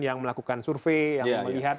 yang melakukan survei yang melihat